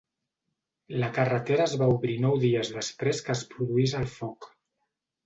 La carretera es va obrir nou dies després que es produís el foc.